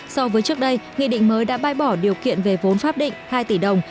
so với trước đây nghị định mới đã bai bỏ điều kiện về vốn pháp định hai tỷ đồng